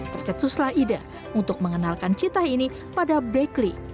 tercetuslah ide untuk mengenalkan cita ini pada blackley